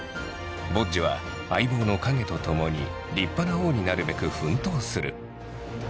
ボッジは相棒のカゲとともに立派な王になるべく奮闘する。